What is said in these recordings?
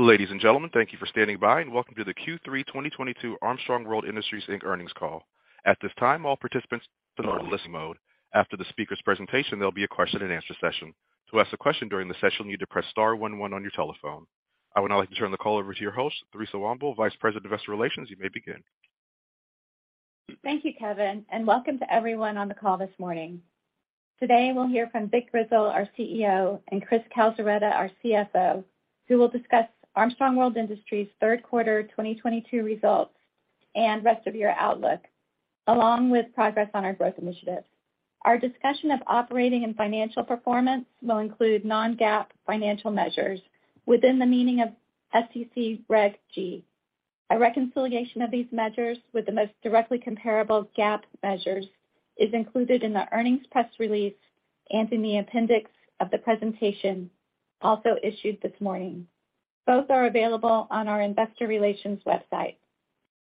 Ladies and gentlemen, thank you for standing by, and welcome to the Q3 2022 Armstrong World Industries, Inc. earnings call. At this time, all participants are in a listen mode. After the speaker's presentation, there'll be a question-and-answer session. To ask a question during the session, you'll need to press star one one on your telephone. I would now like to turn the call over to your host, Theresa Womble, Vice President of Investor Relations. You may begin. Thank you, Kevin, and welcome to everyone on the call this morning. Today we'll hear from Vic Grizzle, our CEO, and Chris Calzaretta, our CFO, who will discuss Armstrong World Industries' third quarter 2022 results and rest of year outlook, along with progress on our growth initiatives. Our discussion of operating and financial performance will include non-GAAP financial measures within the meaning of SEC Regulation G. A reconciliation of these measures with the most directly comparable GAAP measures is included in the earnings press release and in the appendix of the presentation also issued this morning. Both are available on our investor relations website.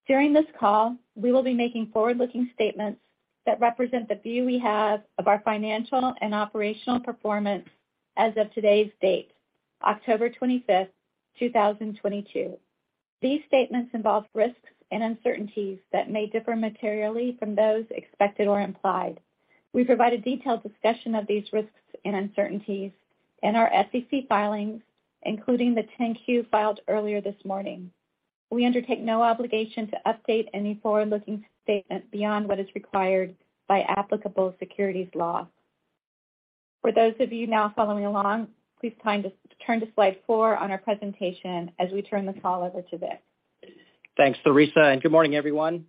During this call, we will be making forward-looking statements that represent the view we have of our financial and operational performance as of today's date, October 25, 2022. These statements involve risks and uncertainties that may differ materially from those expected or implied. We provide a detailed discussion of these risks and uncertainties in our SEC filings, including the 10-Q filed earlier this morning. We undertake no obligation to update any forward-looking statements beyond what is required by applicable securities law. For those of you now following along, please turn to slide 4 on our presentation as we turn the call over to Vic. Thanks, Theresa, and good morning, everyone.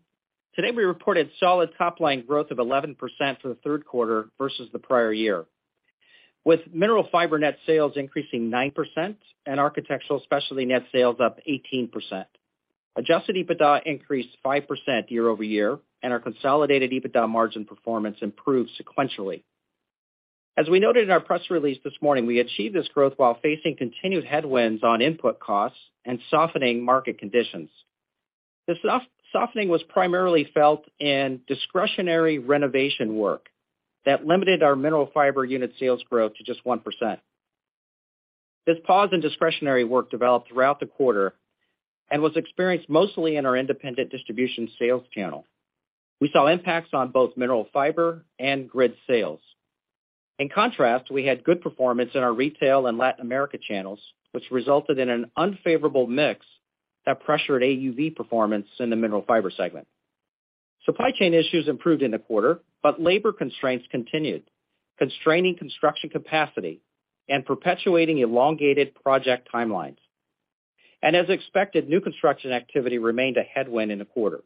Today, we reported solid top-line growth of 11% for the third quarter versus the prior year, with Mineral Fiber net sales increasing 9% and Architectural Specialties net sales up 18%. Adjusted EBITDA increased 5% year-over-year, and our consolidated EBITDA margin performance improved sequentially. As we noted in our press release this morning, we achieved this growth while facing continued headwinds on input costs and softening market conditions. The softening was primarily felt in discretionary renovation work that limited our Mineral Fiber unit sales growth to just 1%. This pause in discretionary work developed throughout the quarter and was experienced mostly in our independent distribution sales channel. We saw impacts on both Mineral Fiber and Grid sales. In contrast, we had good performance in our retail and Latin America channels, which resulted in an unfavorable mix that pressured AUV performance in the Mineral Fiber segment. Supply chain issues improved in the quarter, but labor constraints continued, constraining construction capacity and perpetuating elongated project timelines. As expected, new construction activity remained a headwind in the quarter.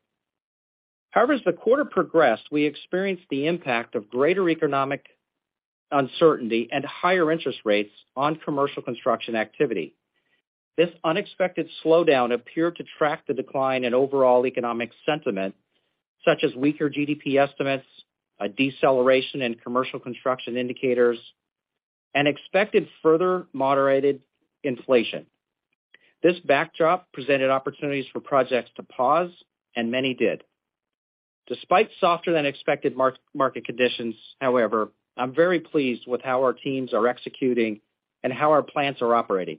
However, as the quarter progressed, we experienced the impact of greater economic uncertainty and higher interest rates on commercial construction activity. This unexpected slowdown appeared to track the decline in overall economic sentiment, such as weaker GDP estimates, a deceleration in commercial construction indicators, and expected further moderated inflation. This backdrop presented opportunities for projects to pause, and many did. Despite softer than expected market conditions, however, I'm very pleased with how our teams are executing and how our plants are operating.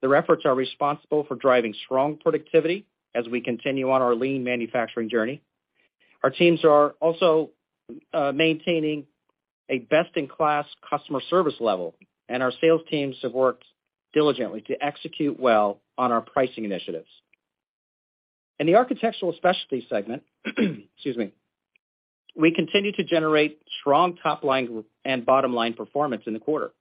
Their efforts are responsible for driving strong productivity as we continue on our lean manufacturing journey. Our teams are also maintaining a best-in-class customer service level, and our sales teams have worked diligently to execute well on our pricing initiatives. In the Architectural Specialties segment, excuse me, we continued to generate strong top-line and bottom-line performance in the quarter.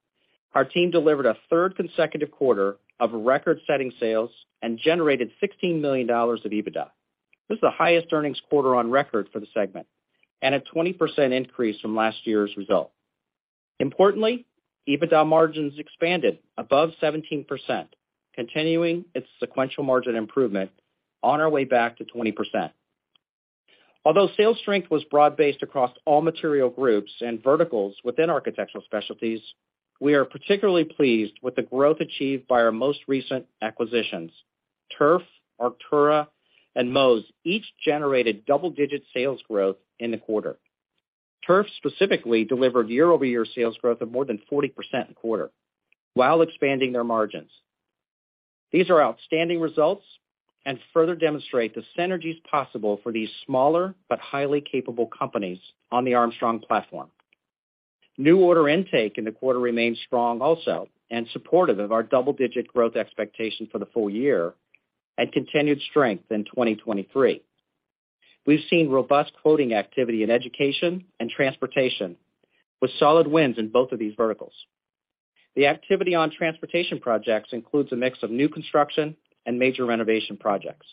Our team delivered a third consecutive quarter of record-setting sales and generated $16 million of EBITDA. This is the highest earnings quarter on record for the segment and a 20% increase from last year's result. Importantly, EBITDA margin expanded above 17%, continuing its sequential margin improvement on our way back to 20%. Although sales strength was broad-based across all material groups and verticals within Architectural Specialties, we are particularly pleased with the growth achieved by our most recent acquisitions. Turf, Arktura, and 3form each generated double-digit sales growth in the quarter. Turf specifically delivered year-over-year sales growth of more than 40% in the quarter while expanding their margins. These are outstanding results and further demonstrate the synergies possible for these smaller but highly capable companies on the Armstrong platform. New order intake in the quarter remained strong also and supportive of our double-digit growth expectations for the full year and continued strength in 2023. We've seen robust quoting activity in education and transportation, with solid wins in both of these verticals. The activity on transportation projects includes a mix of new construction and major renovation projects.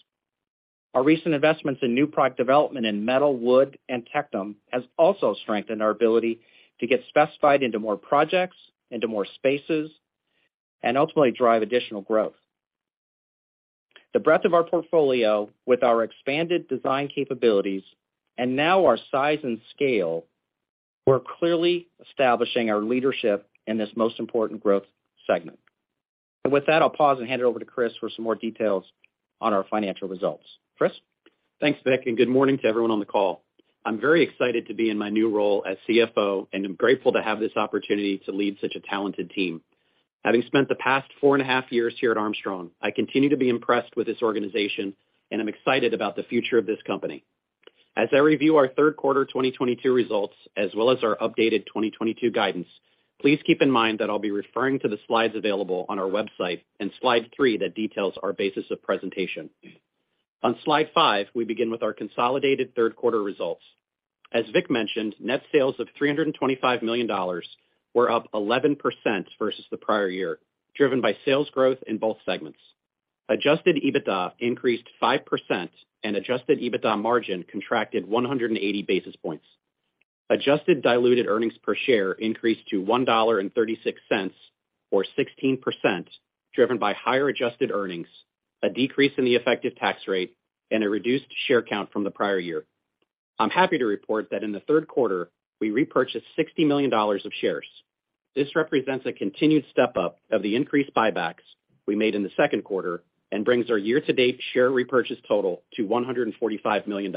Our recent investments in new product development in metal, wood, and Tectum has also strengthened our ability to get specified into more projects, into more spaces, and ultimately drive additional growth. The breadth of our portfolio with our expanded design capabilities and now our size and scale, we're clearly establishing our leadership in this most important growth segment. With that, I'll pause and hand it over to Chris for some more details on our financial results. Chris? Thanks, Vic, and good morning to everyone on the call. I'm very excited to be in my new role as CFO, and I'm grateful to have this opportunity to lead such a talented team. Having spent the past four and a half years here at Armstrong, I continue to be impressed with this organization, and I'm excited about the future of this company. As I review our third quarter 2022 results, as well as our updated 2022 guidance, please keep in mind that I'll be referring to the slides available on our website, and slide three that details our basis of presentation. On slide five, we begin with our consolidated third quarter results. As Vic mentioned, net sales of $325 million were up 11% versus the prior year, driven by sales growth in both segments. Adjusted EBITDA increased 5% and adjusted EBITDA margin contracted 180 basis points. Adjusted diluted earnings per share increased to $1.36, or 16%, driven by higher adjusted earnings, a decrease in the effective tax rate, and a reduced share count from the prior year. I'm happy to report that in the third quarter, we repurchased $60 million of shares. This represents a continued step-up of the increased buybacks we made in the second quarter and brings our year-to-date share repurchases total to $145 million.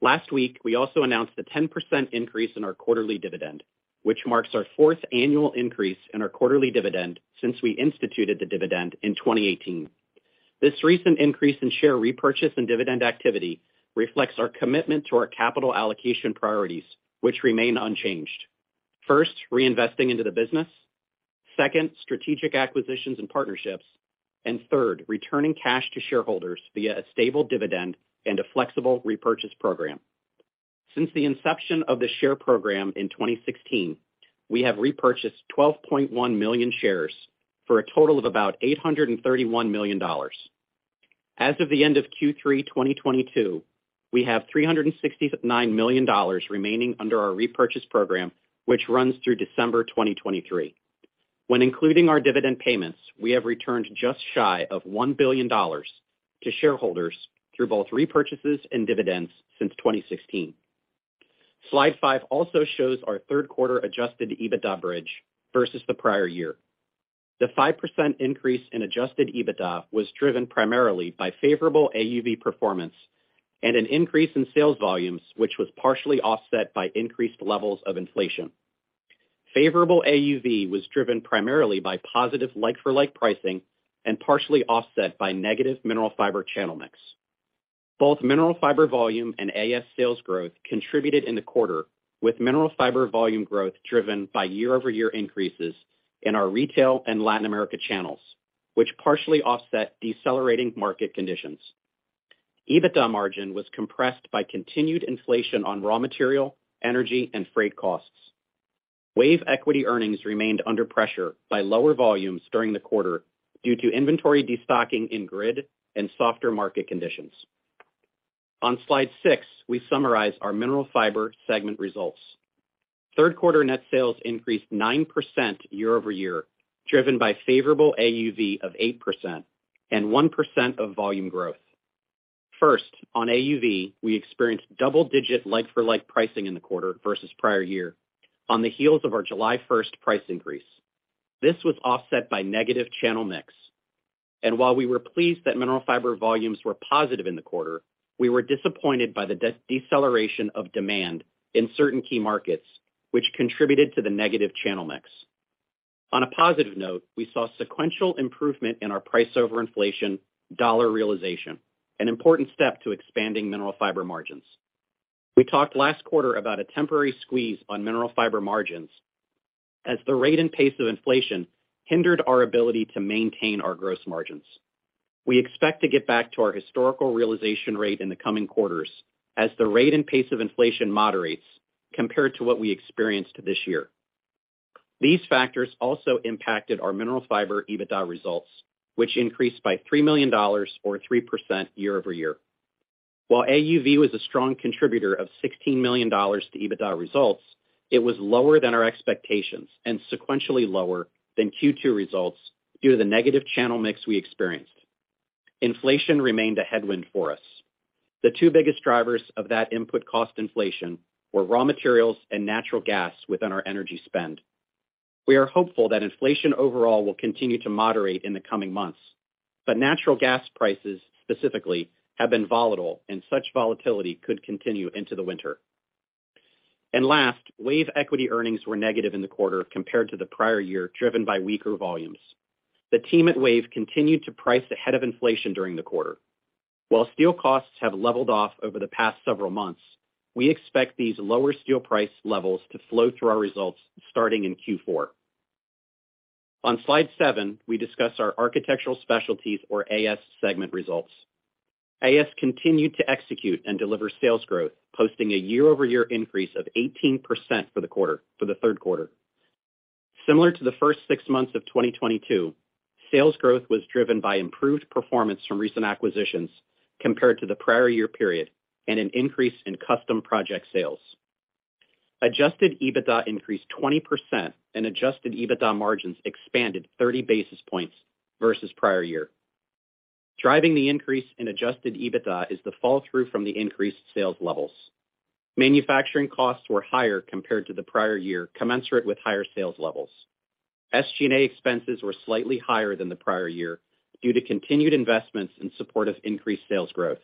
Last week, we also announced a 10% increase in our quarterly dividend, which marks our fourth annual increase in our quarterly dividend since we instituted the dividend in 2018. This recent increase in share repurchases and dividend activity reflects our commitment to our capital allocation priorities, which remain unchanged. First, reinvesting into the business. Second, strategic acquisitions and partnerships. Third, returning cash to shareholders via a stable dividend and a flexible repurchase program. Since the inception of the share program in 2016, we have repurchased 12.1 million shares for a total of about $831 million. As of the end of Q3 2022, we have $369 million remaining under our repurchase program, which runs through December 2023. When including our dividend payments, we have returned just shy of $1 billion to shareholders through both repurchases and dividends since 2016. Slide 5 also shows our third quarter adjusted EBITDA bridge versus the prior year. The 5% increase in adjusted EBITDA was driven primarily by favorable AUV performance and an increase in sales volumes, which was partially offset by increased levels of inflation. Favorable AUV was driven primarily by positive like-for-like pricing and partially offset by negativeMineral Fiber channel mix. Both Mineral Fiber volume and AS sales growth contributed in the quarter, with Mineral Fiber volume growth driven by year-over-year increases in our retail and Latin America channels, which partially offset decelerating market conditions. EBITDA margin was compressed by continued inflation on raw material, energy, and freight costs. WAVE equity earnings remained under pressure by lower volumes during the quarter due to inventory destocking in Grid and softer market conditions. On slide 6, we summarize our Mineral Fiber segment results. Third quarter net sales increased 9% year-over-year, driven by favorable AUV of 8% and 1% of volume growth. First, on AUV, we experienced double-digit like-for-like pricing in the quarter versus prior year on the heels of our July 1st price increase. This was offset by negative channel mix. While we were pleased that Mineral Fiber volumes were positive in the quarter, we were disappointed by the deceleration of demand in certain key markets, which contributed to the negative channel mix. On a positive note, we saw sequential improvement in our price over inflation dollar realization, an important step to expanding Mineral Fiber margins. We talked last quarter about a temporary squeeze on Mineral Fiber margins as the rate and pace of inflation hindered our ability to maintain our gross margins. We expect to get back to our historical realization rate in the coming quarters as the rate and pace of inflation moderates compared to what we experienced this year. These factors also impacted our Mineral Fiber EBITDA results, which increased by $3 million or 3% year-over-year. While AUV was a strong contributor of $16 million to EBITDA results, it was lower than our expectations and sequentially lower than Q2 results due to the negative channel mix we experienced. Inflation remained a headwind for us. The two biggest drivers of that input cost inflation were raw materials and natural gas within our energy spend. We are hopeful that inflation overall will continue to moderate in the coming months, but natural gas prices specifically have been volatile, and such volatility could continue into the winter. Last, WAVE equity earnings were negative in the quarter compared to the prior year, driven by weaker volumes. The team at WAVE continued to price ahead of inflation during the quarter. While steel costs have leveled off over the past several months, we expect these lower steel price levels to flow through our results starting in Q4. On slide 7, we discuss our Architectural Specialties or AS segment results. AS continued to execute and deliver sales growth, posting a year-over-year increase of 18% for the quarter, for the third quarter. Similar to the first six months of 2022, sales growth was driven by improved performance from recent acquisitions compared to the prior year period and an increase in custom project sales. Adjusted EBITDA increased 20%, and adjusted EBITDA margin expanded 30 basis points versus prior year. Driving the increase in adjusted EBITDA is the fall through from the increased sales levels. Manufacturing costs were higher compared to the prior year, commensurate with higher sales levels. SG&A expenses were slightly higher than the prior year due to continued investments in support of increased sales growth.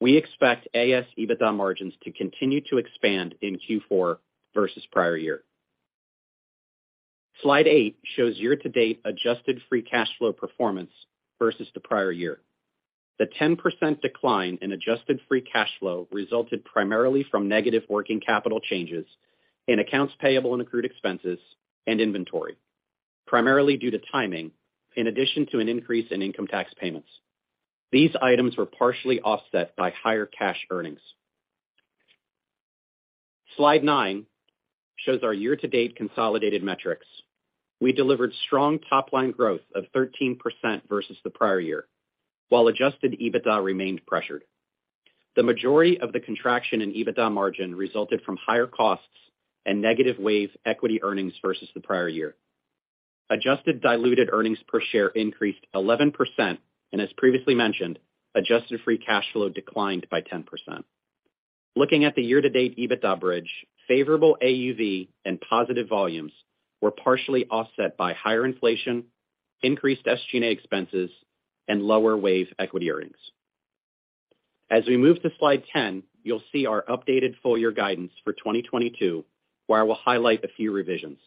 We expect AS EBITDA margin to continue to expand in Q4 versus prior year. Slide eight shows year-to-date adjusted free cash flow performance versus the prior year. The 10% decline in adjusted free cash flow resulted primarily from negative working capital changes in accounts payable and accrued expenses and inventory, primarily due to timing, in addition to an increase in income tax payments. These items were partially offset by higher cash earnings. Slide nine shows our year-to-date consolidated metrics. We delivered strong top-line growth of 13% versus the prior year, while adjusted EBITDA remained pressured. The majority of the contraction in EBITDA margin resulted from higher costs and negative WAVE equity earnings versus the prior year. Adjusted diluted earnings per share increased 11% and as previously mentioned, adjusted free cash flow declined by 10%. Looking at the year-to-date EBITDA bridge, favorable AUV and positive volumes were partially offset by higher inflation, increased SG&A expenses, and lower WAVE equity earnings. As we move to slide 10, you'll see our updated full-year guidance for 2022, where I will highlight a few revisions.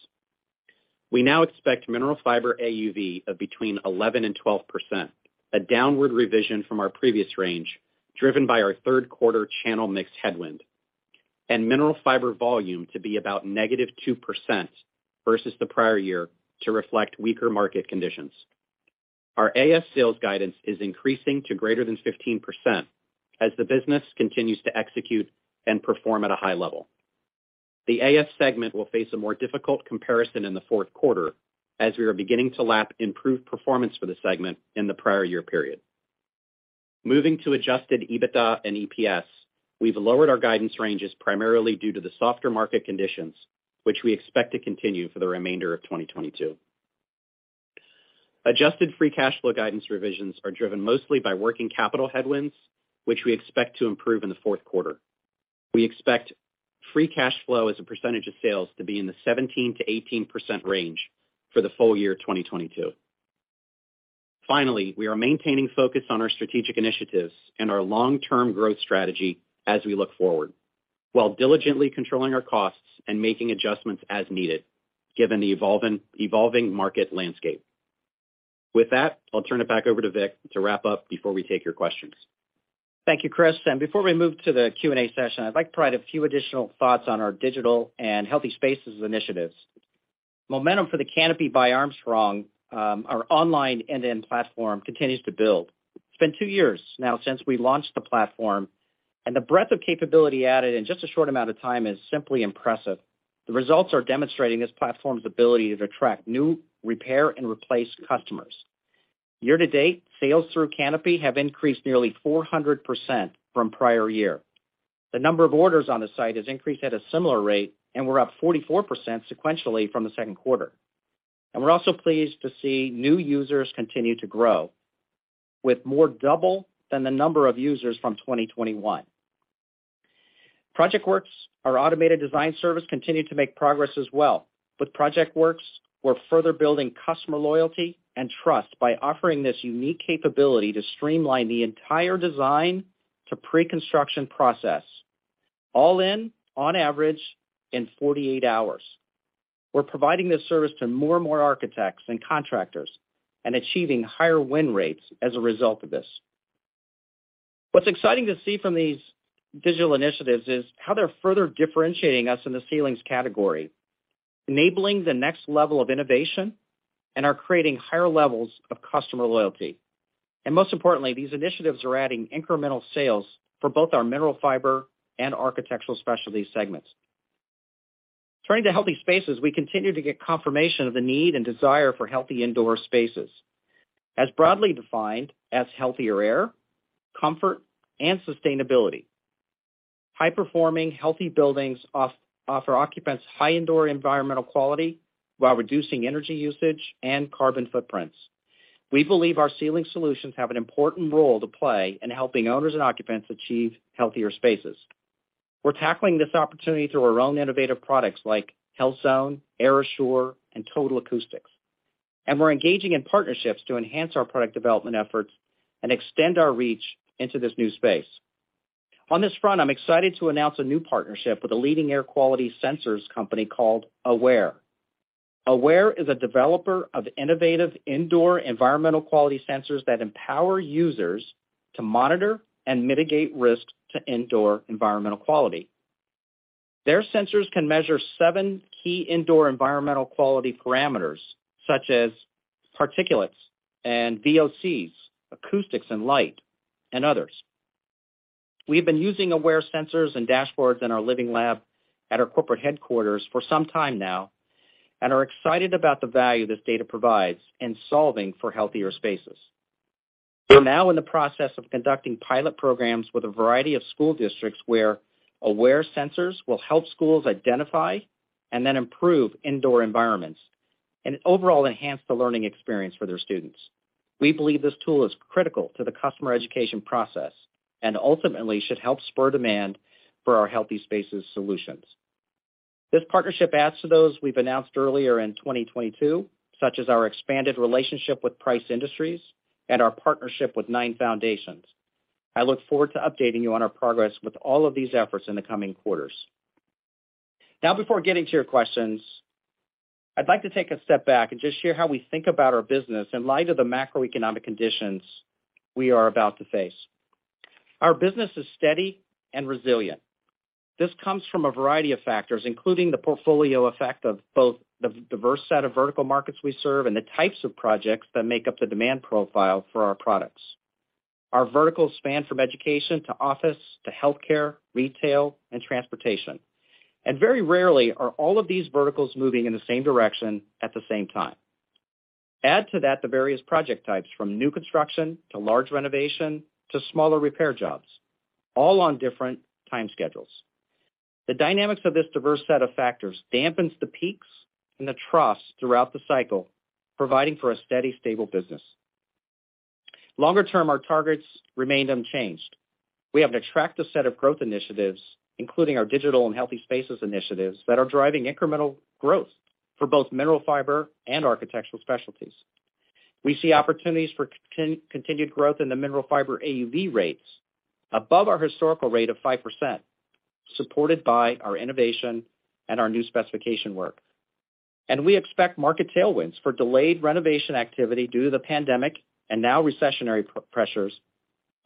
We now expect Mineral Fiber AUV of between 11% and 12%, a downward revision from our previous range, driven by our third quarter channel mix headwind. Mineral fiber volume to be about -2% versus the prior year to reflect weaker market conditions. Our AS sales guidance is increasing to greater than 15% as the business continues to execute and perform at a high level. The AS segment will face a more difficult comparison in the fourth quarter as we are beginning to lap improved performance for the segment in the prior year period. Moving to adjusted EBITDA and EPS, we've lowered our guidance ranges primarily due to the softer market conditions, which we expect to continue for the remainder of 2022. Adjusted free cash flow guidance revisions are driven mostly by working capital headwinds, which we expect to improve in the fourth quarter. We expect free cash flow as a percentage of sales to be in the 17%–18% range for the full year 2022. Finally, we are maintaining focus on our strategic initiatives and our long-term growth strategy as we look forward, while diligently controlling our costs and making adjustments as needed given the evolving market landscape. With that, I'll turn it back over to Vic to wrap up before we take your questions. Thank you, Chris. Before we move to the Q&A session, I'd like to provide a few additional thoughts on our digital and healthy spaces initiatives. Momentum for Kanopi by Armstrong, our online end-to-end platform, continues to build. It's been two years now since we launched the platform, and the breadth of capability added in just a short amount of time is simply impressive. The results are demonstrating this platform's ability to attract new repair and replace customers. Year to date, sales through Kanopi have increased nearly 400% from prior year. The number of orders on the site has increased at a similar rate, and we're up 44% sequentially from the second quarter. We're also pleased to see new users continue to grow, with more than double the number of users from 2021. ProjectWorks, our automated design service, continued to make progress as well. With ProjectWorks, we're further building customer loyalty and trust by offering this unique capability to streamline the entire design to pre-construction process, all in, on average, in 48 hours. We're providing this service to more and more architects and contractors and achieving higher win rates as a result of this. What's exciting to see from these digital initiatives is how they're further differentiating us in the ceilings category, enabling the next level of innovation, and are creating higher levels of customer loyalty. Most importantly, these initiatives are adding incremental sales for both our Mineral Fiber and Architectural Specialties segments. Turning to healthy spaces, we continue to get confirmation of the need and desire for healthy indoor spaces, as broadly defined as healthier air, comfort, and sustainability. High-performing healthy buildings offer occupants high indoor environmental quality while reducing energy usage and carbon footprints. We believe our ceiling solutions have an important role to play in helping owners and occupants achieve healthier spaces. We're tackling this opportunity through our own innovative products like HealthZone, AirAssure, and Total Acoustics. We're engaging in partnerships to enhance our product development efforts and extend our reach into this new space. On this front, I'm excited to announce a new partnership with a leading air quality sensors company called Awair. Awair is a developer of innovative indoor environmental quality sensors that empower users to monitor and mitigate risk to indoor environmental quality. Their sensors can measure seven key indoor environmental quality parameters, such as particulates and VOCs, acoustics and light, and others. We have been using Awair sensors and dashboards in our living lab at our corporate headquarters for some time now, and are excited about the value this data provides in solving for healthier spaces. We're now in the process of conducting pilot programs with a variety of school districts where Awair sensors will help schools identify and then improve indoor environments and overall enhance the learning experience for their students. We believe this tool is critical to the customer education process and ultimately should help spur demand for our healthy spaces solutions. This partnership adds to those we've announced earlier in 2022, such as our expanded relationship with Price Industries and our partnership with 9F. I look forward to updating you on our progress with all of these efforts in the coming quarters. Now before getting to your questions, I'd like to take a step back and just share how we think about our business in light of the macroeconomic conditions we are about to face. Our business is steady and resilient. This comes from a variety of factors, including the portfolio effect of both the diverse set of vertical markets we serve and the types of projects that make up the demand profile for our products. Our verticals span from education to office to healthcare, retail and transportation. Very rarely are all of these verticals moving in the same direction at the same time. Add to that the various project types, from new construction to large renovation to smaller repair jobs, all on different time schedules. The dynamics of this diverse set of factors dampens the peaks and the troughs throughout the cycle, providing for a steady, stable business. Longer term, our targets remain unchanged. We have an attractive set of growth initiatives, including our digital and healthy spaces initiatives, that are driving incremental growth for both Mineral Fiber and Architectural Specialties. We see opportunities for continued growth in the Mineral Fiber AUV rates above our historical rate of 5%, supported by our innovation and our new specification work. We expect market tailwinds for delayed renovation activity due to the pandemic and now recessionary pressures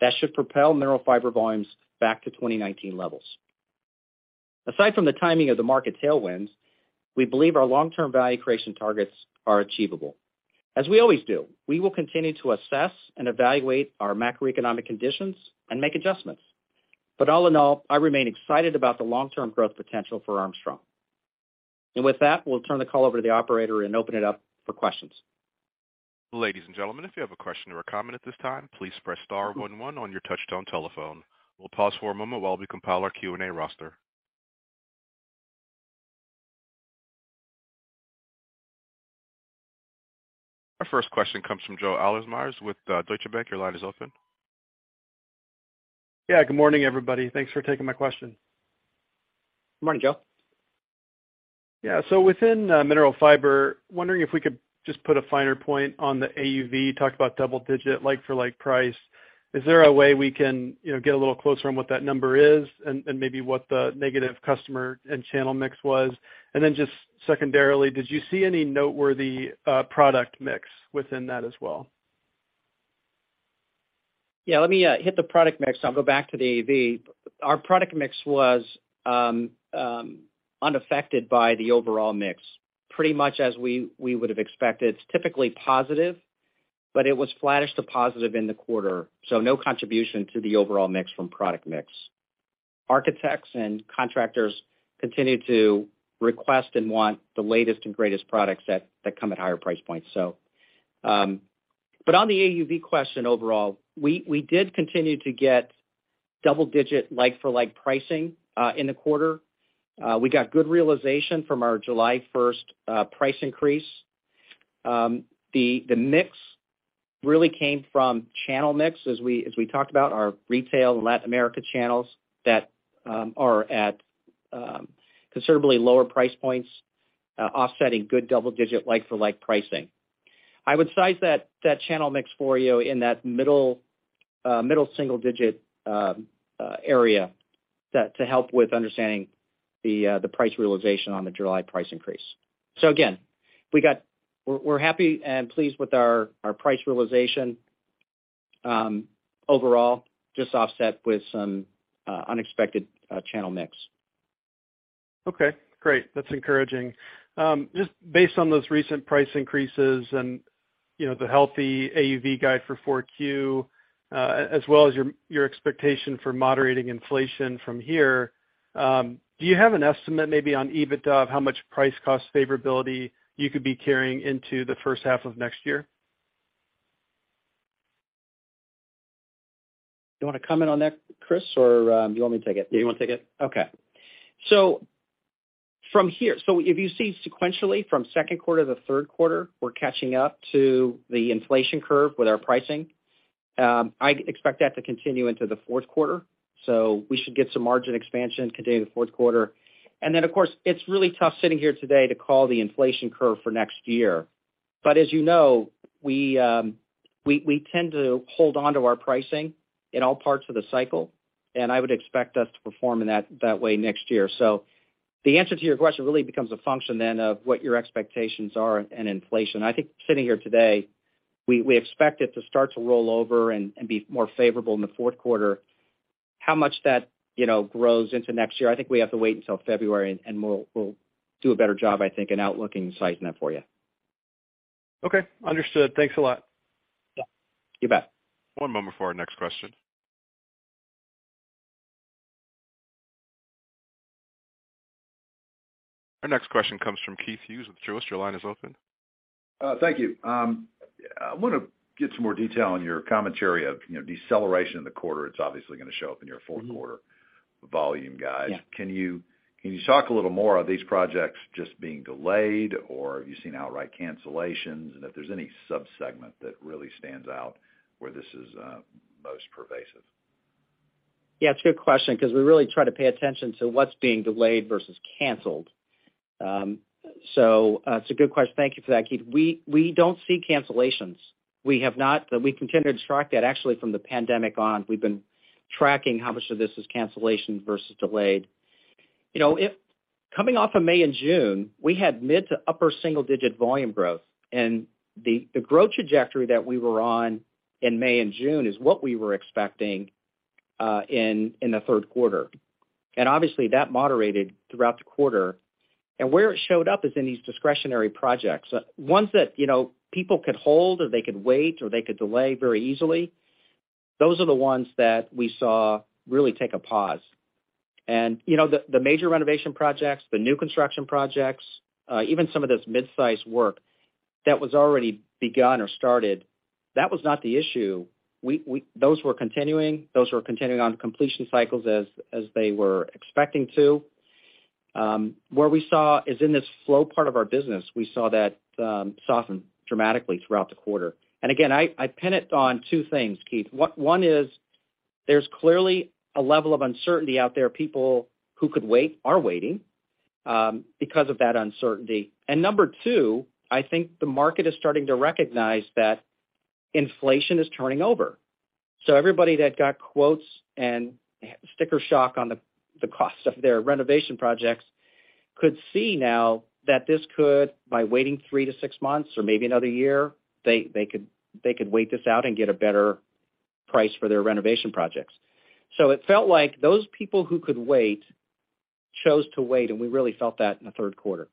that should propel Mineral Fiber volumes back to 2019 levels. Aside from the timing of the market tailwinds, we believe our long-term value creation targets are achievable. As we always do, we will continue to assess and evaluate our macroeconomic conditions and make adjustments. All in all, I remain excited about the long-term growth potential for Armstrong. With that, we'll turn the call over to the operator and open it up for questions. Ladies and gentlemen, if you have a question or a comment at this time, please press star one one on your touch-tone telephone. We'll pause for a moment while we compile our Q&A roster. Our first question comes from Joe Ahlersmeyer with Deutsche Bank. Your line is open. Yeah, good morning, everybody. Thanks for taking my question. Morning, Joe. Yeah. Within Mineral Fiber, wondering if we could just put a finer point on the AUV, talk about double digit like for like price. Is there a way we can, you know, get a little closer on what that number is and maybe what the negative customer and channel mix was? Just secondarily, did you see any noteworthy product mix within that as well? Yeah, let me hit the product mix. I'll go back to the AUV. Our product mix was unaffected by the overall mix, pretty much as we would have expected. It's typically positive, but it was flattish to positive in the quarter, so no contribution to the overall mix from product mix. Architects and contractors continued to request and want the latest and greatest products that come at higher price points, so on the AUV question overall, we did continue to get double-digit like-for-like pricing in the quarter. We got good realization from our July 1 price increase. The mix really came from channel mix, as we talked about our retail and Latin America channels that are at considerably lower price points, offsetting good double-digit like-for-like pricing. I would size that channel mix for you in that middle single digit area to help with understanding the price realization on the July price increase. Again, we're happy and pleased with our price realization overall, just offset with some unexpected channel mix. Okay, great. That's encouraging. Just based on those recent price increases and, you know, the healthy AUV guide for Q4, as well as your expectation for moderating inflation from here, do you have an estimate maybe on EBITDA of how much price cost favorability you could be carrying into the first half of next year? You want to comment on that, Chris, or do you want me to take it? Yeah, you want to take it? Okay. If you see sequentially from second quarter to the third quarter, we're catching up to the inflation curve with our pricing. I expect that to continue into the fourth quarter. We should get some margin expansion continuing the fourth quarter. Of course, it's really tough sitting here today to call the inflation curve for next year. As you know, we tend to hold on to our pricing in all parts of the cycle, and I would expect us to perform in that way next year. The answer to your question really becomes a function then of what your expectations are in inflation. I think sitting here today, we expect it to start to roll over and be more favorable in the fourth quarter. How much that, you know, grows into next year, I think we have to wait until February, and we'll do a better job, I think, in outlook and sizing that for you. Okay, understood. Thanks a lot. Yeah, you bet. One moment for our next question. Our next question comes from Keith Hughes with Truist. Your line is open. Thank you. I want to get some more detail on your commentary of, you know, deceleration in the quarter. It's obviously going to show up in your fourth quarter volume guide. Yeah. Can you talk a little more, are these projects just being delayed, or have you seen outright cancellations? If there's any subsegment that really stands out where this is most pervasive? Yeah, it's a good question because we really try to pay attention to what's being delayed versus canceled. It's a good question. Thank you for that, Keith. We don't see cancellations. We continue to track that. Actually, from the pandemic on, we've been tracking how much of this is cancellation versus delayed. You know, if coming off of May and June, we had mid to upper single-digit volume growth. The growth trajectory that we were on in May and June is what we were expecting in the third quarter. Obviously that moderated throughout the quarter. Where it showed up is in these discretionary projects, ones that, you know, people could hold or they could wait or they could delay very easily. Those are the ones that we saw really take a pause. You know, the major renovation projects, the new construction projects, even some of this mid-size work that was already begun or started, that was not the issue. Those were continuing on completion cycles as they were expecting to. Where we saw is in this flow part of our business, we saw that soften dramatically throughout the quarter. Again, I pin it on two things, Keith. One is there's clearly a level of uncertainty out there. People who could wait are waiting because of that uncertainty. Number two, I think the market is starting to recognize that inflation is turning over. Everybody that got quotes and sticker shock on the cost of their renovation projects could see now that this could, by waiting 3–6 months or maybe another year, they could wait this out and get a better price for their renovation projects. It felt like those people who could wait chose to wait, and we really felt that in the third quarter.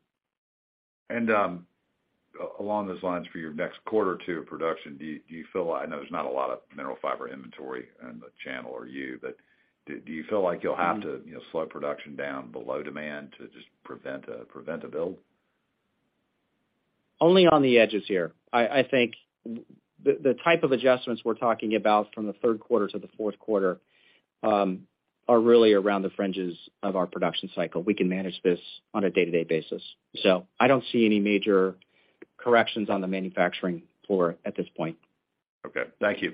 Along those lines, for your next quarter or two of production, do you feel like, I know there's not a lot of Mineral Fiber inventory in the channel or so, but do you feel like you'll have to, you know, slow production down below demand to just prevent a buildup? Only on the edges here. I think the type of adjustments we're talking about from the third quarter to the fourth quarter are really around the fringes of our production cycle. We can manage this on a day-to-day basis. I don't see any major corrections on the manufacturing floor at this point. Okay. Thank you.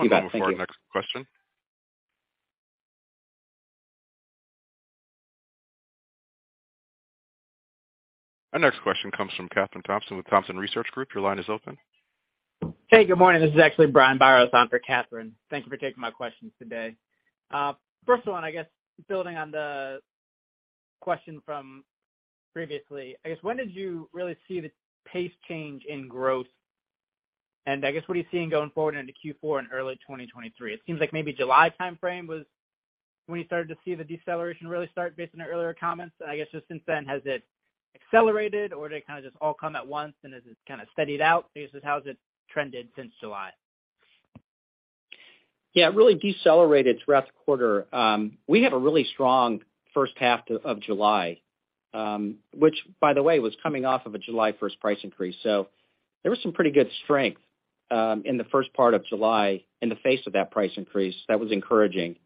You bet. Thank you. One moment for our next question. Our next question comes from Kathryn Thompson with Thompson Research Group. Your line is open. Hey, good morning. This is actually Brian Biros on for Kathryn. Thank you for taking my questions today. First one, I guess building on the question from previously, I guess, when did you really see the pace change in growth? And I guess, what are you seeing going forward into Q4 and early 2023? It seems like maybe July timeframe was when you started to see the deceleration really start based on your earlier comments. I guess just since then, has it accelerated or did it kind of just all come at once and has it kind of steadied out? I guess just how has it trended since July? Yeah, it really decelerated throughout the quarter. We have a really strong first half of July, which by the way, was coming off of a July 1 price increase. There was some pretty good strength in the first part of July in the face of that price increase. That was encouraging.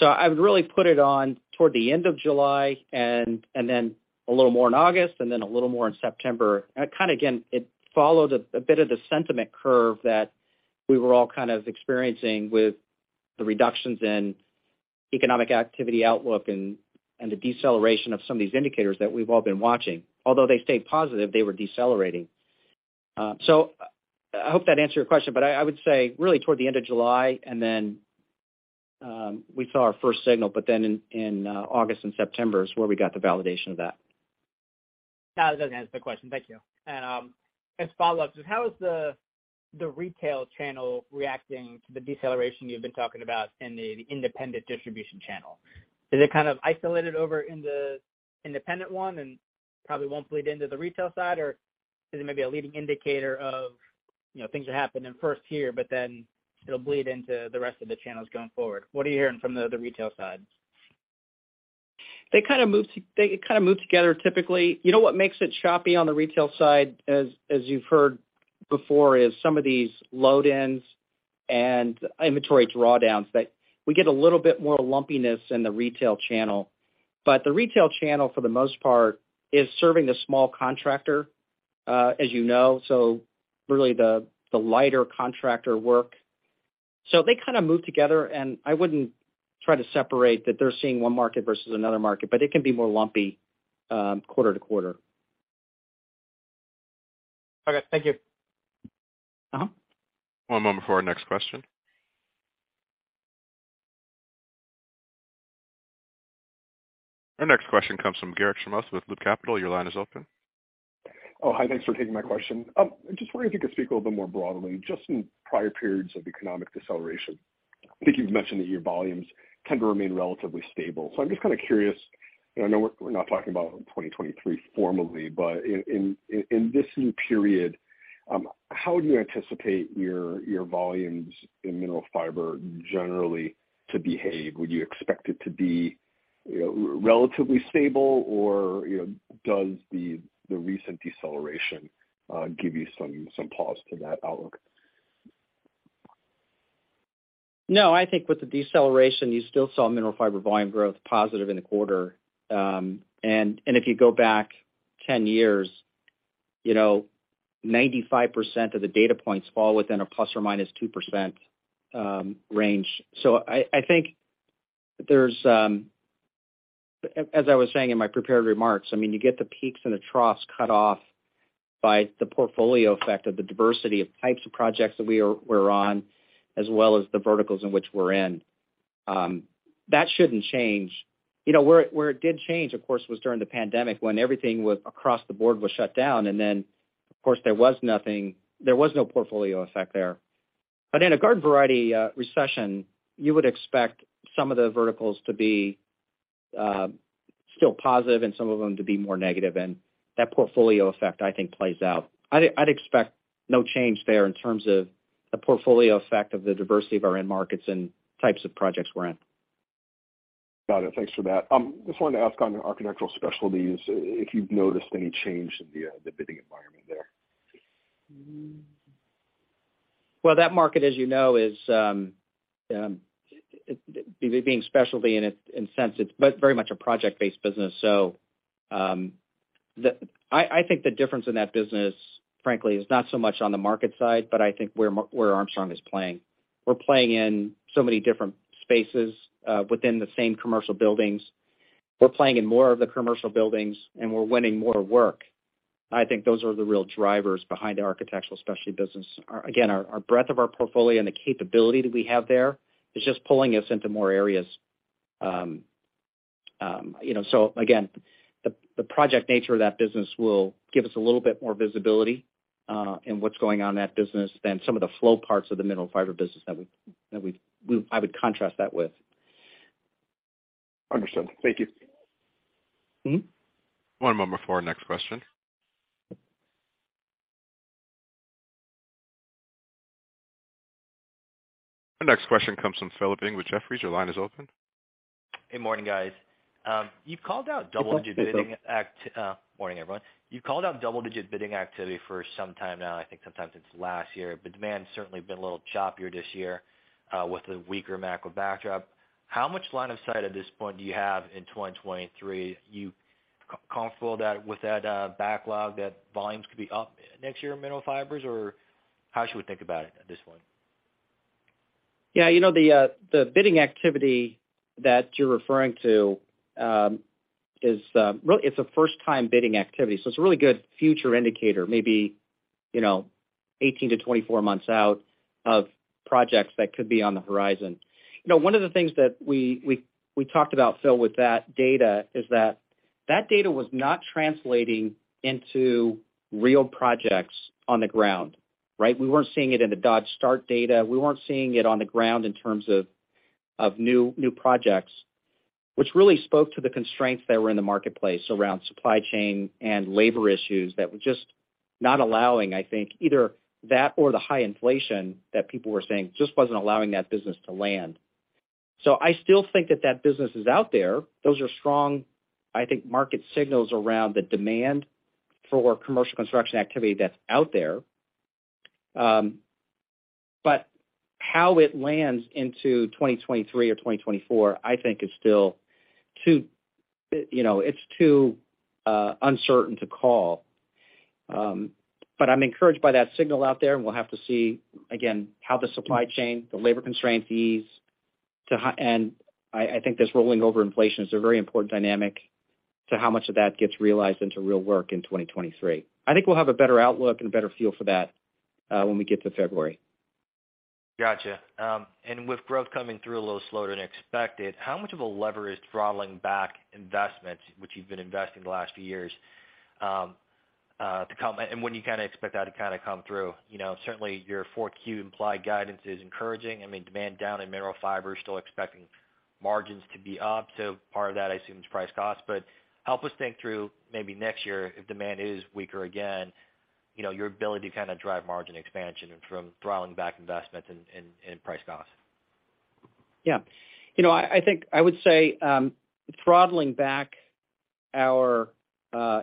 I would really put it on toward the end of July and then a little more in August and then a little more in September. It kind of again followed a bit of the sentiment curve that we were all kind of experiencing with the reductions in economic activity outlook and the deceleration of some of these indicators that we've all been watching. Although they stayed positive, they were decelerating. I hope that answered your question, but I would say really toward the end of July and then we saw our first signal, but then in August and September is where we got the validation of that. No, that does answer the question. Thank you. As a follow-up, just how is the retail channel reacting to the deceleration you've been talking about in the independent distribution channel? Is it kind of isolated over in the independent one and probably won't bleed into the retail side? Or is it maybe a leading indicator of, you know, things are happening first here, but then it'll bleed into the rest of the channels going forward? What are you hearing from the other retail sides? They kind of move together typically. You know what makes it choppy on the retail side as you've heard before is some of these load-ins and inventory drawdowns that we get a little bit more lumpiness in the retail channel. The retail channel, for the most part, is serving the small contractor as you know so really the lighter contractor work. They kind of move together, and I wouldn't try to separate that they're seeing one market versus another market but it can be more lumpy quarter to quarter. Okay. Thank you. Uh-huh. One moment for our next question. Our next question comes from Garik Shmois with Loop Capital. Your line is open. Oh, hi. Thanks for taking my question. I'm just wondering if you could speak a little bit more broadly, just in prior periods of economic deceleration. I think you've mentioned that your volumes tend to remain relatively stable. I'm just kind of curious, and I know we're not talking about 2023 formally, but in this new period, how do you anticipate your volumes in Mineral Fiber generally to behave? Would you expect it to be, you know, relatively stable or, you know, does the recent deceleration give you some pause to that outlook? No, I think with the deceleration, you still saw Mineral Fiber volume growth positive in the quarter. If you go back 10 years, you know, 95% of the data points fall within a ±2% range. As I was saying in my prepared remarks, I mean, you get the peaks and the troughs cut off by the portfolio effect of the diversity of types of projects that we're on, as well as the verticals in which we're in. That shouldn't change. You know, where it did change, of course, was during the pandemic when everything across the board was shut down. Then, of course, there was no portfolio effect there. In a garden variety recession, you would expect some of the verticals to be still positive and some of them to be more negative. That portfolio effect, I think, plays out. I'd expect no change there in terms of the portfolio effect of the diversity of our end markets and types of projects we're in. Got it. Thanks for that. Just wanted to ask on Architectural Specialties if you've noticed any change in the bidding environment there? Well, that market, as you know, is, it being specialty in a sense, it's very much a project-based business. I think the difference in that business, frankly, is not so much on the market side, but I think where Armstrong is playing. We're playing in so many different spaces within the same commercial buildings. We're playing in more of the commercial buildings, and we're winning more work. I think those are the real drivers behind the Architectural Specialties business. Again, our breadth of our portfolio and the capability that we have there is just pulling us into more areas. You know, again, the project nature of that business will give us a little bit more visibility in what's going on in that business than some of the flow parts of the Mineral Fiber business I would contrast that with. Understood. Thank you. Mm-hmm. One moment before our next question. Our next question comes from Philip Ng with Jefferies. Your line is open. Hey, morning, guys. You've called out double-digit bidding act- Good morning, Phil. Morning, everyone. You called out double-digit bidding activity for some time now, I think sometimes since last year, but demand's certainly been a little choppier this year, with the weaker macro backdrop. How much line of sight at this point do you have in 2023? Are you comfortable that with that backlog that volumes could be up next year in Mineral Fiber? Or how should we think about it at this point? Yeah, you know, the bidding activity that you're referring to is really it's a first-time bidding activity, so it's a really good future indicator, maybe, you know, 18–24 months out of projects that could be on the horizon. You know, one of the things that we talked about, Phil, with that data is that that data was not translating into real projects on the ground, right? We weren't seeing it in the Dodge starts data. We weren't seeing it on the ground in terms of new projects, which really spoke to the constraints that were in the marketplace around supply chain and labor issues that were just not allowing, I think, either that or the high inflation that people were saying just wasn't allowing that business to land. I still think that that business is out there. Those are strong, I think, market signals around the demand for commercial construction activity that's out there. How it lands into 2023 or 2024, I think is still too uncertain to call. I'm encouraged by that signal out there, and we'll have to see again how the supply chain, the labor constraint ease and I think this rolling over inflation is a very important dynamic to how much of that gets realized into real work in 2023. I think we'll have a better outlook and a better feel for that, when we get to February. Gotcha. With growth coming through a little slower than expected, how much of a lever is throttling back investments which you've been investing the last few years, and when do you kind of expect that to kind of come through? You know, certainly your Q4 implied guidance is encouraging. I mean, demand down in Mineral Fiber, still expecting margins to be up. Part of that, I assume, is price cost. But help us think through maybe next year if demand is weaker again, you know, your ability to kind of drive margin expansion from throttling back investments and price cost. Yeah. You know, I think I would say throttling back our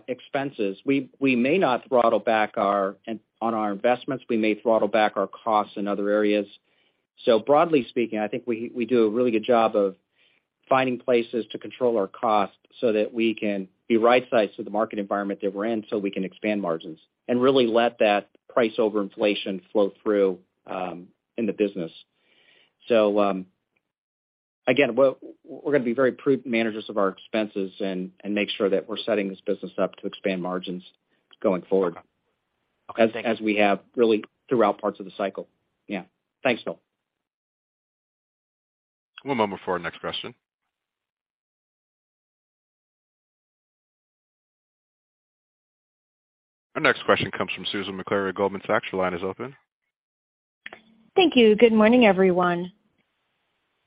expenses, we may not throttle back our investments. We may throttle back our costs in other areas. Broadly speaking, I think we do a really good job of finding places to control our costs so that we can be right-sized to the market environment that we're in, so we can expand margins and really let that price over inflation flow through in the business. Again, we're going to be very prudent managers of our expenses and make sure that we're setting this business up to expand margins going forward. Okay. As we have really throughout parts of the cycle. Yeah. Thanks, Phil. One moment for our next question. Our next question comes from Susan Maklari of Goldman Sachs. Your line is open. Thank you. Good morning, everyone.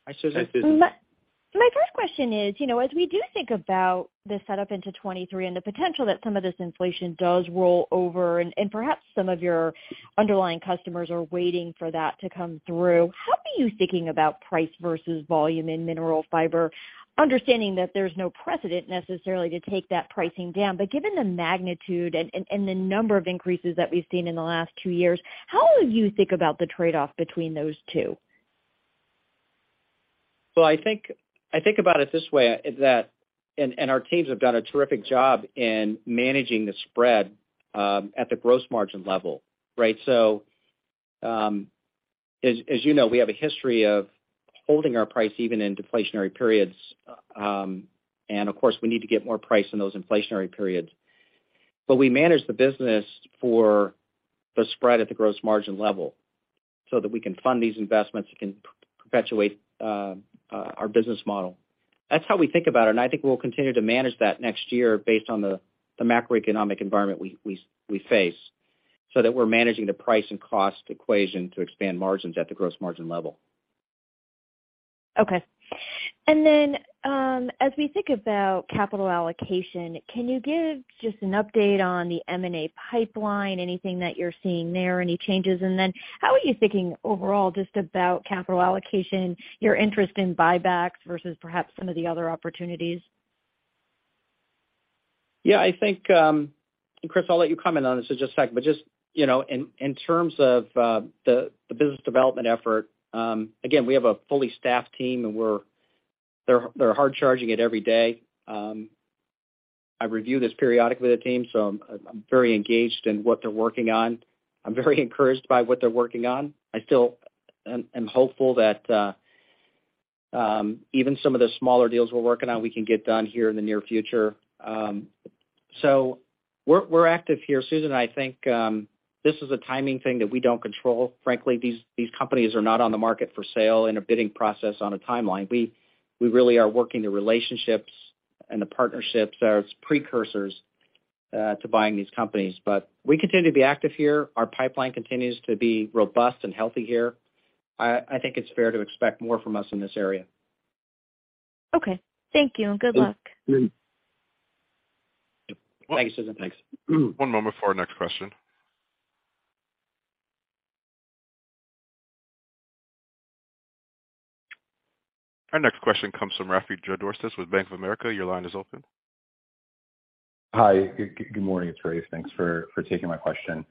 Hi, Susan. My first question is, you know, as we do think about the setup into 2023 and the potential that some of this inflation does roll over, and perhaps some of your underlying customers are waiting for that to come through, how are you thinking about price versus volume in Mineral Fiber, understanding that there's no precedent necessarily to take that pricing down? Given the magnitude and the number of increases that we've seen in the last two years, how would you think about the trade-off between those two? Well, I think about it this way, that our teams have done a terrific job in managing the spread at the gross margin level, right? As you know, we have a history of holding our price even in deflationary periods. Of course, we need to get more price in those inflationary periods. We manage the business for the spread at the gross margin level so that we can fund these investments, we can perpetuate our business model. That's how we think about it, and I think we'll continue to manage that next year based on the macroeconomic environment we face, so that we're managing the price and cost equation to expand margins at the gross margin level. Okay. As we think about capital allocation, can you give just an update on the M&A pipeline, anything that you're seeing there, any changes? How are you thinking overall just about capital allocation, your interest in buybacks versus perhaps some of the other opportunities? Yeah, I think, and Chris, I'll let you comment on this in just a second. Just, you know, in terms of the business development effort, again, we have a fully staffed team, and they're hard charging it every day. I review this periodically with the team, so I'm very engaged in what they're working on. I'm very encouraged by what they're working on. I still am hopeful that even some of the smaller deals we're working on, we can get done here in the near future. We're active here. Susan, I think this is a timing thing that we don't control, frankly. These companies are not on the market for sale in a bidding process on a timeline. We really are working the relationships and the partnerships as precursors to buying these companies. We continue to be active here. Our pipeline continues to be robust and healthy here. I think it's fair to expect more from us in this area. Okay. Thank you. Good luck. Mm-hmm. Thank you, Susan. Thanks. One moment for our next question. Our next question comes from Rafe Jadrosich with Bank of America. Your line is open. Hi. Good morning. It's Rafe. Thanks for taking my question.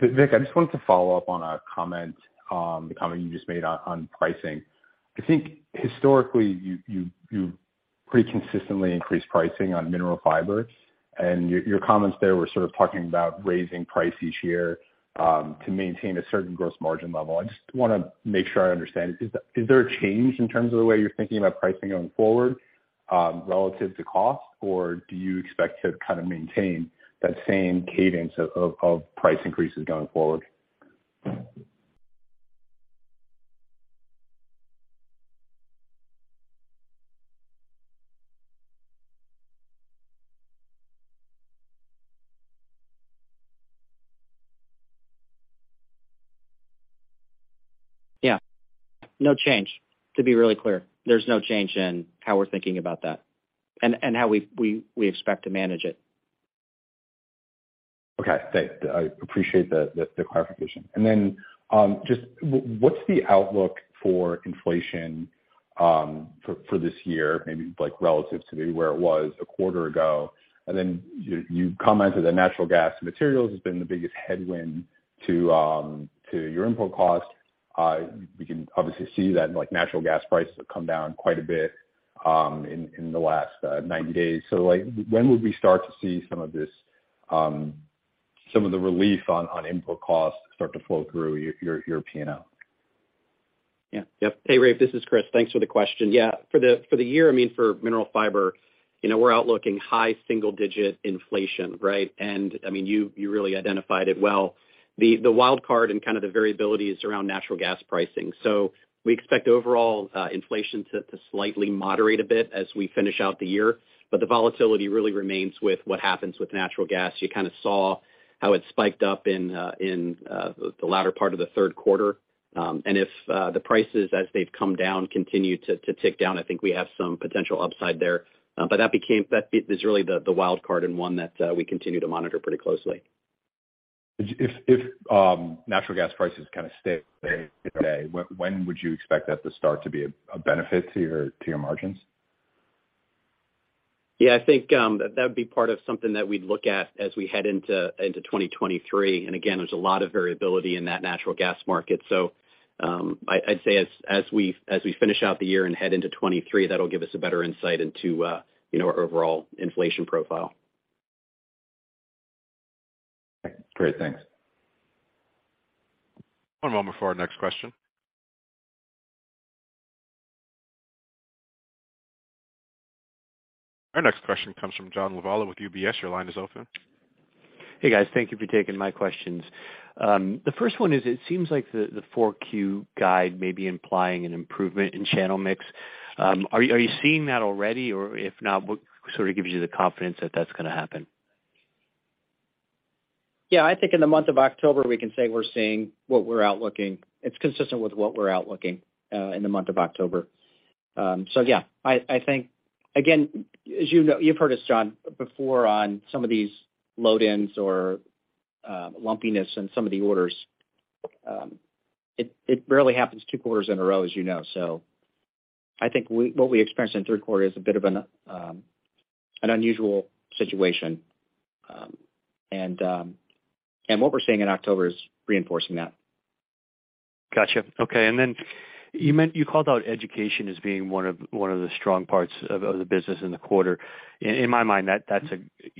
Vic, I just wanted to follow up on a comment, the comment you just made on pricing. I think historically, you pretty consistently increased pricing on Mineral Fibers, and your comments there were sort of talking about raising price each year, to maintain a certain gross margin level. I just want to make sure I understand. Is there a change in terms of the way you're thinking about pricing going forward, relative to cost, or do you expect to kind of maintain that same cadence of price increases going forward? Yeah. No change, to be really clear. There's no change in how we're thinking about that and how we expect to manage it. Okay. Thanks. I appreciate the clarification. Just what's the outlook for inflation, for this year, maybe, like, relative to where it was a quarter ago? You commented that natural gas materials has been the biggest headwind to your input costs. We can obviously see that, like, natural gas prices have come down quite a bit, in the last 90 days. Like, when would we start to see some of this, some of the relief on input costs start to flow through your P&L? Yeah. Yep. Hey, Rafe. This is Chris. Thanks for the question. Yeah, for the year, I mean, for Mineral Fiber, you know, we're outlooking high single digit inflation, right? I mean, you really identified it well. The wild card and kind of the variability is around natural gas pricing. We expect overall inflation to slightly moderate a bit as we finish out the year. The volatility really remains with what happens with natural gas. You kind of saw how it spiked up in the latter part of the third quarter. If the prices, as they've come down, continue to tick down, I think we have some potential upside there. That is really the wild card and one that we continue to monitor pretty closely. If natural gas prices kind of stay where they are today, when would you expect that to start to be a benefit to your margins? Yeah, I think that would be part of something that we'd look at as we head into 2023. Again, there's a lot of variability in that natural gas market. I'd say as we finish out the year and head into 2023, that'll give us a better insight into you know, our overall inflation profile. Great. Thanks. One moment for our next question. Our next question comes from John Lovallo with UBS. Your line is open. Hey, guys. Thank you for taking my questions. The first one is, it seems like the Q4 guide may be implying an improvement in channel mix. Are you seeing that already? Or if not, what sort of gives you the confidence that that's going to happen? Yeah, I think in the month of October, we can say we're seeing what we're outlooking. It's consistent with what we're outlooking in the month of October. Yeah, I think, again, as you know, you've heard us, John, before on some of these load-ins or lumpiness in some of the orders. It rarely happens two quarters in a row, as you know. I think what we experienced in the third quarter is a bit of an unusual situation. What we're seeing in October is reinforcing that. Gotcha. Okay. You called out education as being one of the strong parts of the business in the quarter. In my mind, that's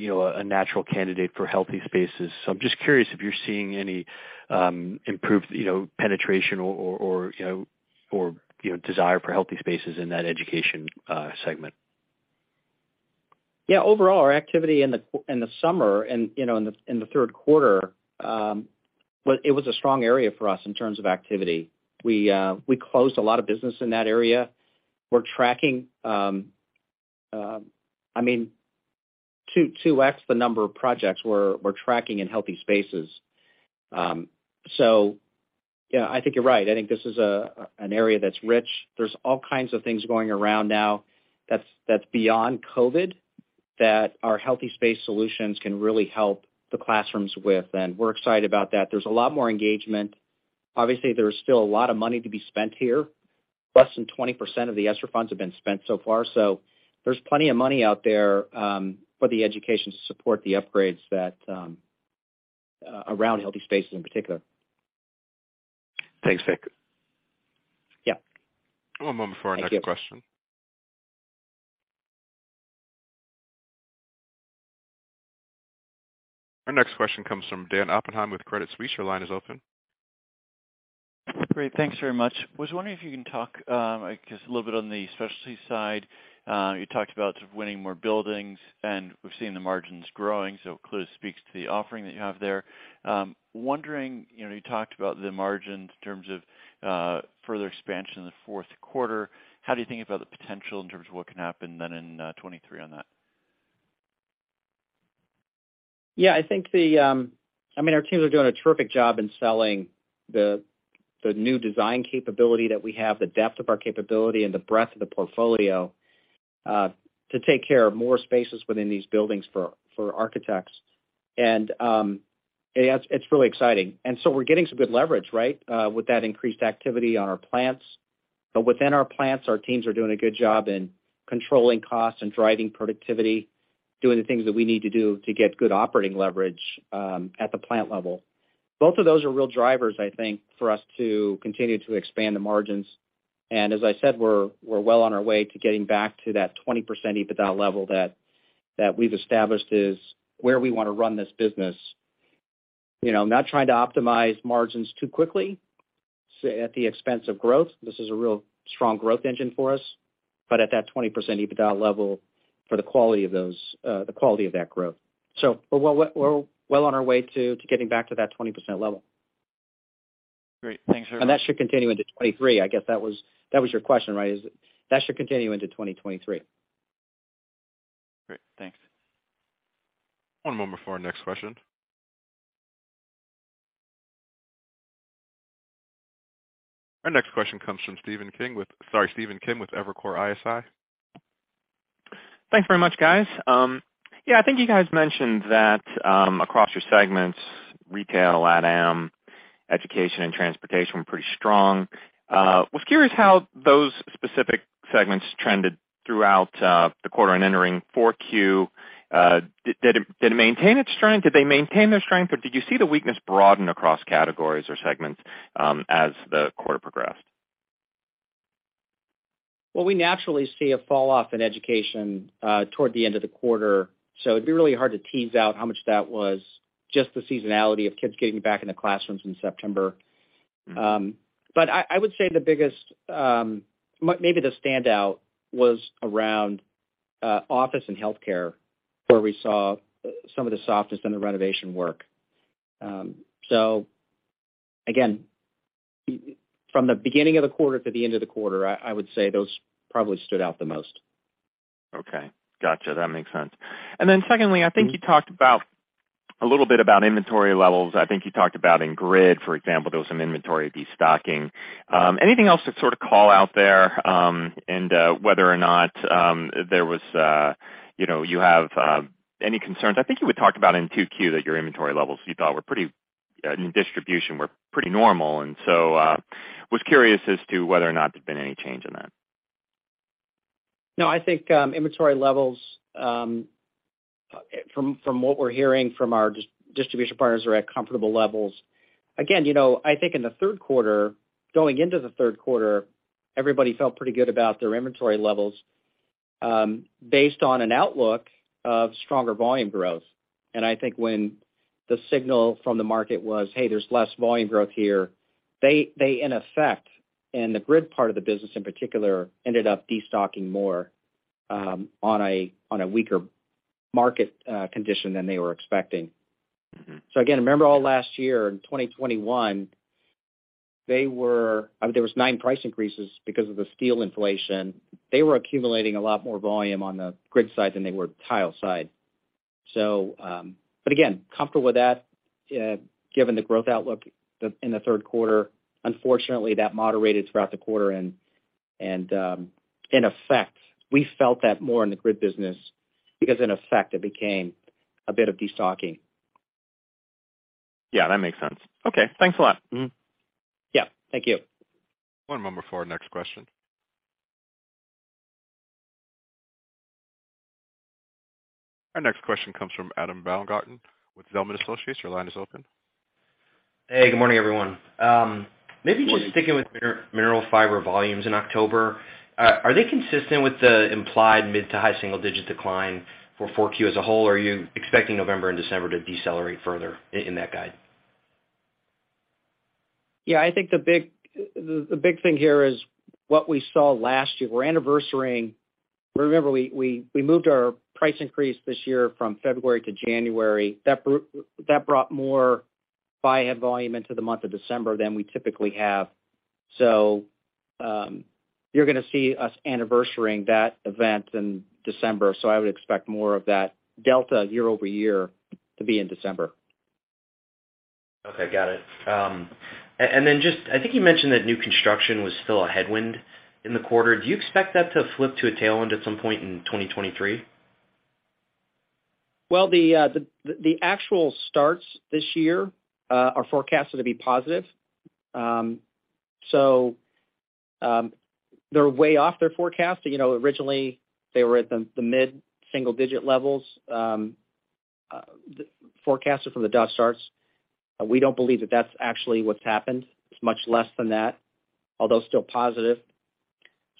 a natural candidate for healthy spaces. I'm just curious if you're seeing any improved, you know, penetration or, you know, desire for healthy spaces in that education segment. Yeah. Overall, our activity in the summer and in the third quarter was a strong area for us in terms of activity. We closed a lot of business in that area. We're tracking 2x the number of projects we're tracking in healthy spaces. Yeah, I think you're right. I think this is an area that's rich. There's all kinds of things going around now that's beyond COVID-19 that our healthy space solutions can really help the classrooms with, and we're excited about that. There's a lot more engagement. Obviously, there is still a lot of money to be spent here. Less than 20% of the ESSER funds have been spent so far. There's plenty of money out there for the education to support the upgrades that around healthy spaces in particular. Thanks, John. Yeah. One moment for our next question. Thank you. Our next question comes from Dan Oppenheim with Credit Suisse. Your line is open. Great. Thanks very much. Was wondering if you can talk, I guess, a little bit on the specialty side. You talked about winning more buildings, and we've seen the margins growing, so clearly speaks to the offering that you have there. Wondering, you know, you talked about the margins in terms of, further expansion in the fourth quarter. How do you think about the potential in terms of what can happen then in, 2023 on that? Yeah, I think, I mean, our teams are doing a terrific job in selling the new design capability that we have, the depth of our capability and the breadth of the portfolio to take care of more spaces within these buildings for architects. It's really exciting. We're getting some good leverage, right, with that increased activity on our plants. Within our plants, our teams are doing a good job in controlling costs and driving productivity, doing the things that we need to do to get good operating leverage at the plant level. Both of those are real drivers, I think, for us to continue to expand the margins. As I said, we're well on our way to getting back to that 20% EBITDA level that we've established is where we want to run this business. You know, not trying to optimize margins too quickly at the expense of growth. This is a real strong growth engine for us, but at that 20% EBITDA level for the quality of those, the quality of that growth. We're well on our way to getting back to that 20% level. Great. Thanks very much. That should continue into 2023. I guess that was your question, right? Is that should continue into 2023. Great. Thanks. One moment for our next question. Our next question comes from Steven King with, sorry, Stephen Kim with Evercore ISI. Thanks very much, guys. Yeah, I think you guys mentioned that across your segments, retail, ADM, education, and transportation were pretty strong. Was curious how those specific segments trended throughout the quarter and entering 4Q. Did it maintain its strength? Did they maintain their strength, or did you see the weakness broaden across categories or segments as the quarter progressed? Well, we naturally see a falloff in education toward the end of the quarter, so it'd be really hard to tease out how much that was just the seasonality of kids getting back in the classrooms in September. I would say the biggest, maybe the standout was around office and healthcare, where we saw some of the softness in the renovation work. Again, from the beginning of the quarter to the end of the quarter, I would say those probably stood out the most. Okay. Gotcha. That makes sense. Secondly, I think you talked about a little bit about inventory levels. I think you talked about in grid, for example, there was some inventory destocking. Anything else to sort of call out there, and whether or not you know you have any concerns? I think you had talked about in 2Q that your inventory levels you thought were pretty normal in distribution. Was curious as to whether or not there'd been any change in that. No, I think inventory levels from what we're hearing from our distribution partners are at comfortable levels. Again, you know, I think in the third quarter, going into the third quarter, everybody felt pretty good about their inventory levels based on an outlook of stronger volume growth. I think when the signal from the market was, "Hey, there's less volume growth here," they in effect, in the grid part of the business in particular, ended up destocking more on a weaker market condition than they were expecting. Mm-hmm. Again, remember all last year in 2021. There was nine price increases because of the steel inflation. They were accumulating a lot more volume on the grid side than they were tile side. But again, comfortable with that, given the growth outlook in the third quarter. Unfortunately, that moderated throughout the quarter and, in effect, we felt that more in the grid business because in effect it became a bit of destocking. Yeah, that makes sense. Okay. Thanks a lot. Yeah. Thank you. One moment for our next question. Our next question comes from Adam Baumgarten with Vertical Research Partners. Your line is open. Hey, good morning, everyone. Maybe just sticking with Mineral Fiber volumes in October, are they consistent with the implied mid- to high-single-digit decline for 4Q as a whole, or are you expecting November and December to decelerate further in that guide? Yeah, I think the big thing here is what we saw last year. We're anniversarying. Remember, we moved our price increase this year from February to January. That brought more buy-ahead volume into the month of December than we typically have. You're going to see us anniversarying that event in December, so I would expect more of that delta year-over-year to be in December. Okay, got it. Just I think you mentioned that new construction was still a headwind in the quarter. Do you expect that to flip to a tailwind at some point in 2023? Well, the actual starts this year are forecasted to be positive. They're way off their forecast. You know, originally, they were at the mid-single digit levels forecasted from the Dodge starts. We don't believe that that's actually what's happened. It's much less than that, although still positive.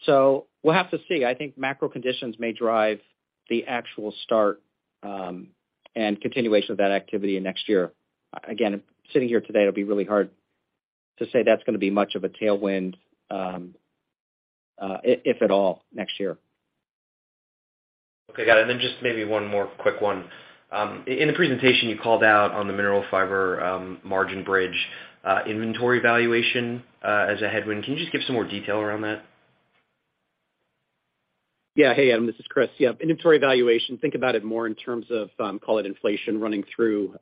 We'll have to see. I think macro conditions may drive the actual start and continuation of that activity in next year. Again, sitting here today, it'll be really hard to say that's going to be much of a tailwind, if at all next year. Okay. Got it. Just maybe one more quick one. In the presentation you called out on the Mineral Fiber margin bridge, inventory valuation, as a headwind. Can you just give some more detail around that? Yeah. Hey, Adam, this is Chris. Yeah, inventory valuation, think about it more in terms of, call it inflation running through,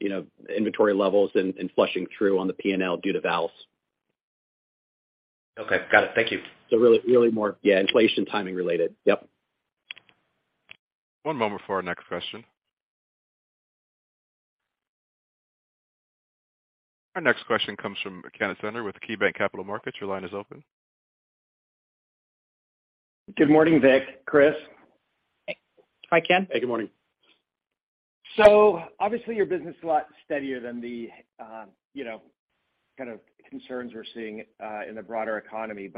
you know, inventory levels and flushing through on the P&L due to vals. Okay. Got it. Thank you. Really more, yeah, inflation timing related. Yep. One moment for our next question. Our next question comes from Kenneth Zener with KeyBanc Capital Markets. Your line is open. Good morning, Vic, Chris. Hi, Ken. Hey, good morning. Obviously your business is a lot steadier than the, you know, kind of concerns we're seeing in the broader economy.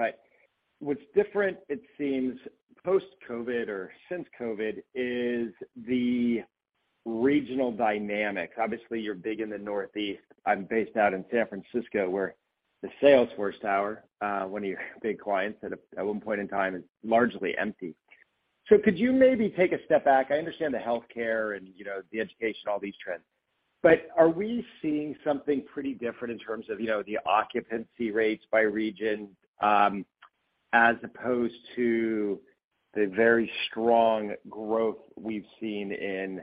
What's different, it seems post- COVID-19 or since COVID-19, is the regional dynamics. Obviously, you're big in the Northeast. I'm based out in San Francisco, where the Salesforce Tower, one of your big clients at one point in time is largely empty. Could you maybe take a step back? I understand the healthcare and, you know, the education, all these trends, but are we seeing something pretty different in terms of, you know, the occupancy rates by region, as opposed to the very strong growth we've seen in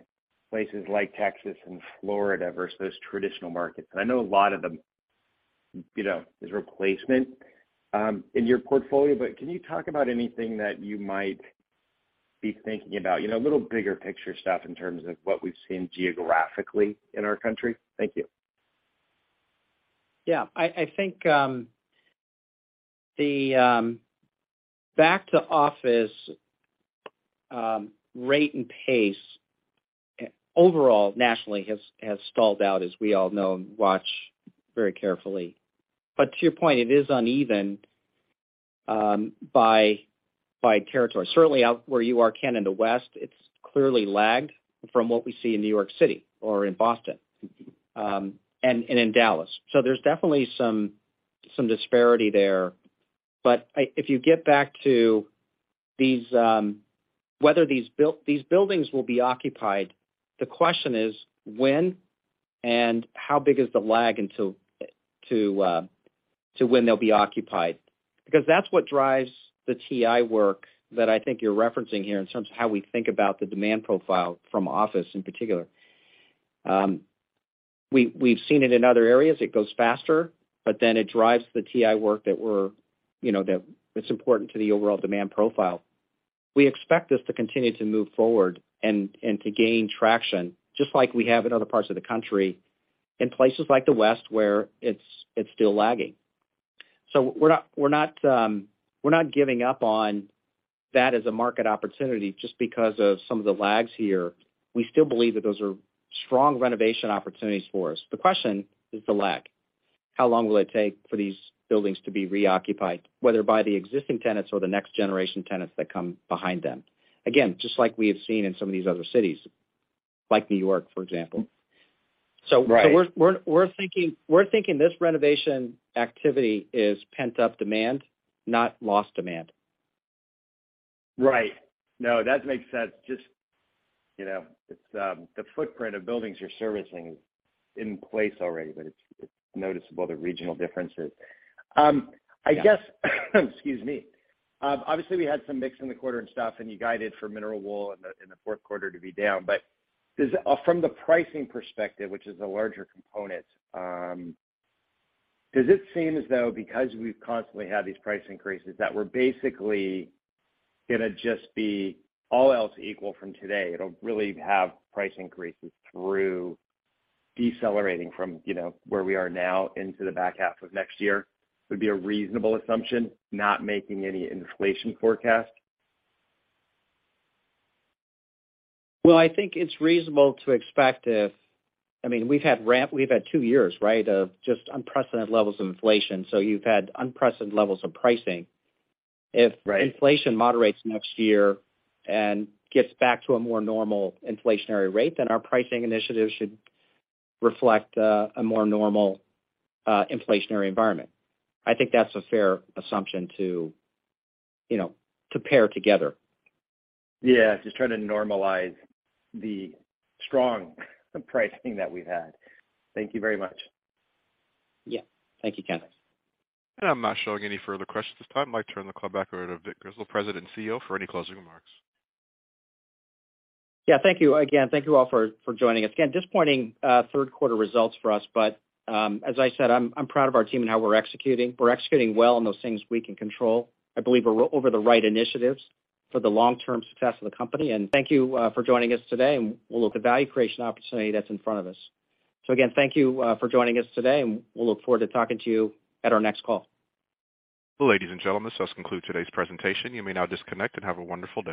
places like Texas and Florida versus traditional markets? I know a lot of them, you know, is replacement in your portfolio, but can you talk about anything that you might be thinking about, you know, a little bigger picture stuff in terms of what we've seen geographically in our country? Thank you. Yeah. I think the back to office rate and pace overall nationally has stalled out, as we all know and watch very carefully. To your point, it is uneven by territory. Certainly out where you are, Ken, in the West, it's clearly lagged from what we see in New York City or in Boston and in Dallas. There's definitely some disparity there. If you get back to these whether these buildings will be occupied, the question is when and how big is the lag until to when they'll be occupied? Because that's what drives the TI work that I think you're referencing here in terms of how we think about the demand profile from office in particular. We've seen it in other areas. It goes faster, but then it drives the TI work that we're, you know, that it's important to the overall demand profile. We expect this to continue to move forward and to gain traction, just like we have in other parts of the country in places like the West, where it's still lagging. We're not giving up on that as a market opportunity just because of some of the lags here. We still believe that those are strong renovation opportunities for us. The question is the lag. How long will it take for these buildings to be reoccupied, whether by the existing tenants or the next generation tenants that come behind them? Again, just like we have seen in some of these other cities, like New York, for example. Right. We're thinking this renovation activity is pent-up demand, not lost demand. Right. No, that makes sense. Just, you know, it's the footprint of buildings you're servicing is in place already, but it's noticeable the regional differences. I guess, excuse me. Obviously we had some mix in the quarter and stuff, and you guided for Mineral Fiber in the fourth quarter to be down. From the pricing perspective, which is the larger component, does it seem as though because we've constantly had these price increases that we're basically going to just be all else equal from today? It'll really have price increases through decelerating from, you know, where we are now into the back half of next year, would be a reasonable assumption, not making any inflation forecast? Well, I think it's reasonable to expect. I mean, we've had two years, right, of just unprecedented levels of inflation. You've had unprecedented levels of pricing. Right. If inflation moderates next year and gets back to a more normal inflationary rate, then our pricing initiatives should reflect a more normal inflationary environment. I think that's a fair assumption to, you know, to pair together. Yeah, just trying to normalize the strong pricing that we've had. Thank you very much. Yeah. Thank you, Kenneth. I'm not showing any further questions at this time. I'd like to turn the call back over to Vic Grizzle, President and CEO, for any closing remarks. Yeah, thank you again. Thank you all for joining us. Again, disappointing third quarter results for us, but as I said, I'm proud of our team and how we're executing. We're executing well on those things we can control. I believe we're on the right initiatives for the long-term success of the company. Thank you for joining us today, and we'll look at value creation opportunity that's in front of us. Again, thank you for joining us today, and we'll look forward to talking to you at our next call. Ladies and gentlemen, this does conclude today's presentation. You may now disconnect and have a wonderful day.